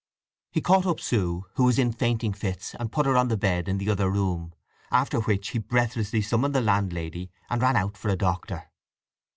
He caught up Sue, who was in fainting fits, and put her on the bed in the other room, after which he breathlessly summoned the landlady and ran out for a doctor.